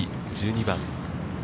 １２番。